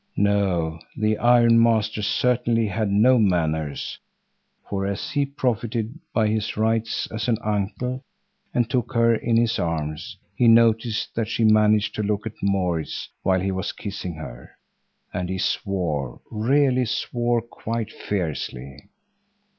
No, the ironmaster certainly had no manners; for as he profited by his rights as an uncle and took her in his arms, he noticed that she managed to look at Maurits while he was kissing her, and he swore, really swore quite fiercely.